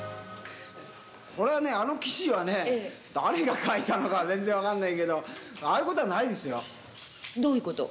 俺はね、あの記事はね、誰が書いたのか全然分かんないけど、ああいうことどういうこと？